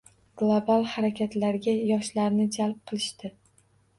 Global harakatlarga yoshlarni jalb qilishdi